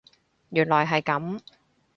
原來係噉